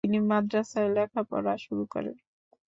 তিনি মাদ্রাসায় লেখাপড়া শুরু করেন।